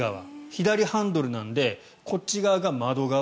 左ハンドルなのでこっち側が窓側